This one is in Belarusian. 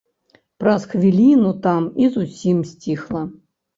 Праз хвіліну там і зусім сціхла.